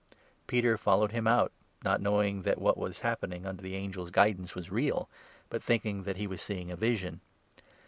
Peter followed him out, not knowing that what was 9 happening under the angel's guidance was real, but thinking that he was seeing a vision.